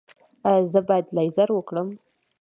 ایا زه باید لیزر وکړم؟